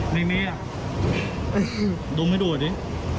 ไม่มีอ่ะดุมให้ดูดิ